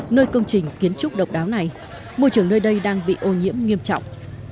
nơi công trình kiến trúc độc đáo này môi trường nơi đây đang bị ô nhiễm nghiêm trọng